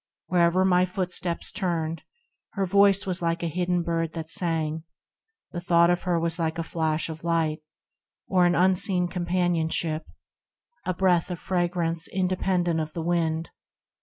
Where'er my footsteps turned, Her voice was like a hidden Bird that sang, The thought of her was like a flash of light, Or an unseen companionship, a breath Of fragrance independent of the Wind.